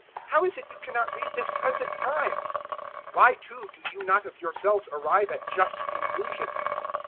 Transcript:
How is it you cannot read this present time? 012:057 "Why, too, do you not of yourselves arrive at just conclusions?